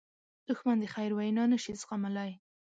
دښمن د خیر وینا نه شي زغملی